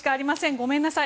ごめんなさい。